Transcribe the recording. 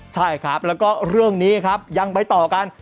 ใช่ครับแล้วก็เรื่องนี้ครับยังไปต่อกัน